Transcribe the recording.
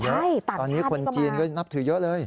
ตอนนี้คนจีนก็นับถือเยอะเลย